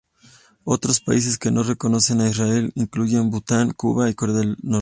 Otros países que no reconocen a Israel incluyen Bhután, Cuba y Corea del Norte.